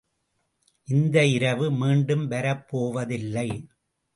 இந்த இரவு மீண்டும் வரப்போவதில்லை.